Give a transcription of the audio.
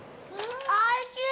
おいしい！